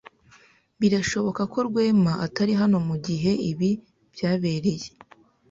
Birashoboka ko Rwema atari hano mugihe ibi byabereye.